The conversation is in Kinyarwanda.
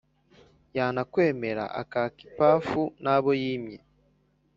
yanakwemera akaka ipafu nabo yimye